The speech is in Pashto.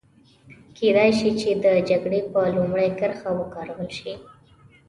کېدای شي چې د جګړې په لومړۍ کرښه وکارول شي.